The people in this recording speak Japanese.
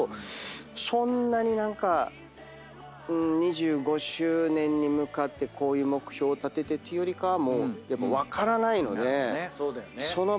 そんなに何か２５周年に向かってこういう目標立ててっていうよりかはもうやっぱ分からないのでその場その場の。